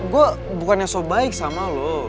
gue bukannya so baik sama lo